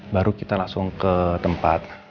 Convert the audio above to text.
baru kita langsung ke tempat